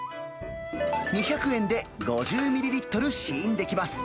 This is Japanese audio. ２００円で５０ミリリットル試飲できます。